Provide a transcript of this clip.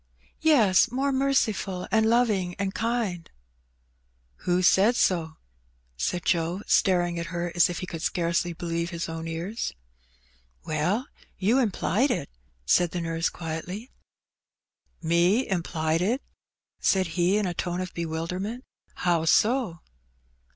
^^ "Yes; more merciful, and loving, and kind/* *^ Who said so ?*' said Joe, staring at her as if he could scarcely believe his own ears. WeD, you implied it/* said the nurse, quietly. Me implied it? said he in a tone of bewilderment. *'How so?